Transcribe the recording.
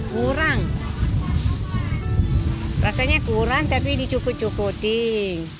kurang rasanya kurang tapi dicukut cukupin